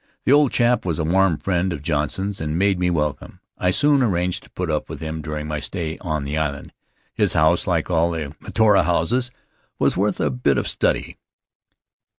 The old chap was a warm friend of John son's and made me welcome; I soon arranged to put up with him during my stay on the island. His house, like all the Mataora houses, was worth a bit of study.